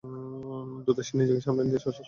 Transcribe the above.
দ্রুত সে নিজেকে সামলে নিতে সচেষ্ট হয়।